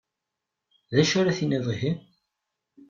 D acu ara tiniḍ ihi?